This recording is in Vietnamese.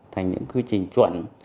thành những quy trình chuẩn